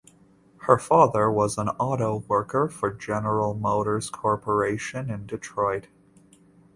Her father was an auto worker for General Motors Corporation in Detroit.